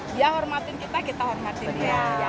dia hormatin kita kita hormati dia